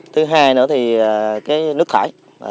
thứ hai nữa thì cái nước thải